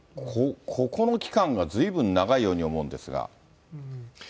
ここの期間がずいぶん長いように思うんですが。